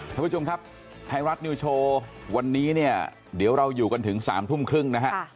ท่านผู้ชมครับไทยรัฐนิวโชว์วันนี้เนี่ยเดี๋ยวเราอยู่กันถึง๓ทุ่มครึ่งนะฮะ